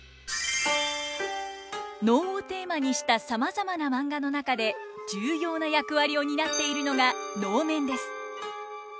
能をテーマにしたさまざまなマンガの中で重要な役割を担っているのが能面です。